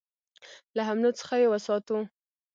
له حملو څخه یې وساتو.